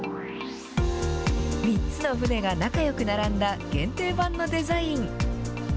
３つの船が仲よく並んだ限定版のデザイン。